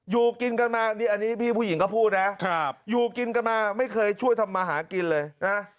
อยู่กินกันมานี่อันนี้พี่ผู้หญิงก็พูดนะอยู่กินกันมาไม่เคยช่วยทำมาหากินเลยนะ